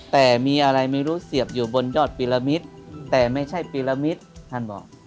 แต่มีอะไรไม่รู้เสียบอยู่บนยอดปีละมิตรแต่ไม่ใช่ปีละมิตรท่านบอก